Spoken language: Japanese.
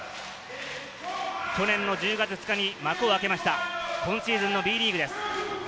去年の１０月２日に幕を開けました、今シーズンのＢリーグです。